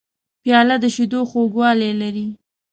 پیاله د شیدو خوږوالی لري.